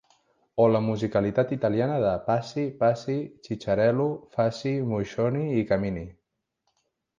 O la musicalitat italiana de: Passi, passi, xitxarel·lo, faci moixoni i camini.